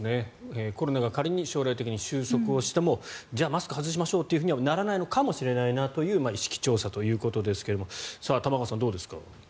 コロナが仮に将来的に終息してもじゃあ、マスクを外しましょうとはならないのかもしれないという意識調査ということですが玉川さん、どうですか？